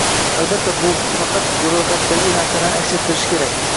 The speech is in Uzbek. Albatta, bu faqat "ro'yxat" dagi narsalarni aks ettirishi kerak